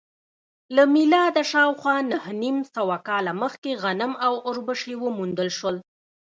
له میلاده شاوخوا نهه نیم سوه کاله مخکې غنم او اوربشې وموندل شول